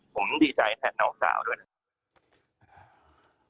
ผมดีใจแทนน้องสาวด้วยนะครับ